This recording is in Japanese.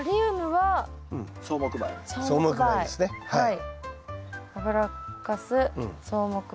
はい。